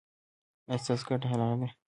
ایا ستاسو ګټه حلاله ده؟